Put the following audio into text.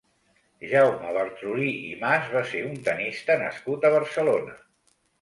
Jaume Bartrolí i Mas va ser un tennista nascut a Barcelona.